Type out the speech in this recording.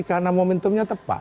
karena momentumnya tepat